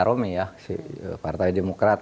pak romi ya partai demokrat